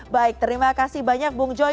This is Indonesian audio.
baik terima kasih banyak bung joy